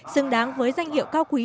xứng đáng với danh hiệu cao quý